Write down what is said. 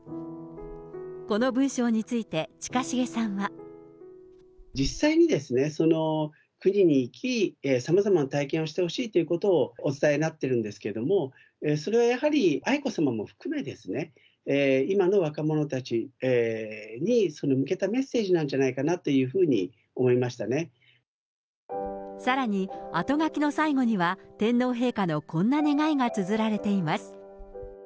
この文章について、実際にですね、その国に行き、さまざまな体験をしてほしいということをお伝えになってるんですけども、それはやはり、愛子さまも含めですね、今の若者たちに向けたメッセージなんじゃないかなというふうに思さらにあとがきの最後には、天皇陛下のこんな願いがつづられています。